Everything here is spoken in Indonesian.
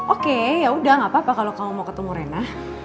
oke yaudah gapapa kalo kamu mau ketemu rena